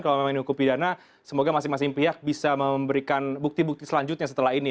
kalau memang ini hukum pidana semoga masing masing pihak bisa memberikan bukti bukti selanjutnya setelah ini